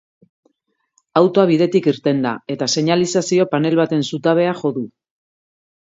Autoa bidetik irten da, eta seinalizazio panel baten zutabea jo du.